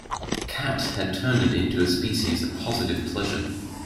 Cat had turned it into a species of positive pleasure.